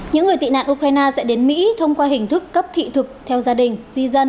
những người tị nạn ukraine sẽ đến mỹ thông qua hình thức cấp thị thực theo gia đình di dân